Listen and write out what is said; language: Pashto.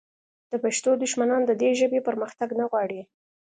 د پښتنو دښمنان د دې ژبې پرمختګ نه غواړي